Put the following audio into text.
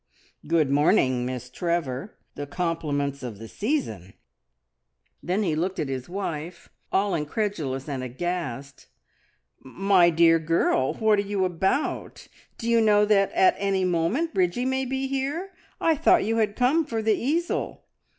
"Good morning, Miss Trevor. The compliments of the season." Then he looked at his wife, all incredulous and aghast. "My dear girl, what are you about? Do you know that at any moment Bridgie may be here? I thought you had come for the easel."